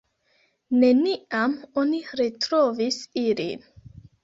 Neniam oni retrovis ilin.